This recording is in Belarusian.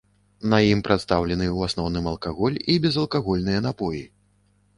На ім прадстаўлены ў асноўным алкаголь і безалкагольныя напоі.